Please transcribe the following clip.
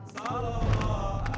salam allah allah muhammad